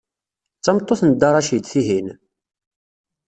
D tameṭṭut n Dda Racid, tihin?